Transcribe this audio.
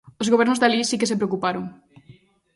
Os Gobernos de alí si que se preocuparon.